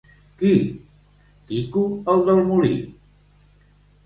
—Qui? —Quico el del molí!